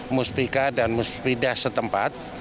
musbika dan musbidah setempat